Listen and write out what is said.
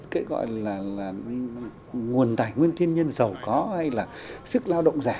cái gọi là nguồn tài nguyên thiên nhân giàu có hay là sức lao động giả